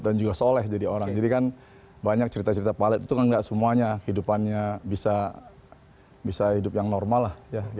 dan juga soleh jadi orang jadi kan banyak cerita cerita pilot itu kan gak semuanya kehidupannya bisa hidup yang normal lah